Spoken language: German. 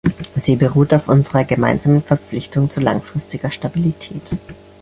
Sie beruht auf unserer gemeinsamen Verpflichtung zu langfristiger Stabilität.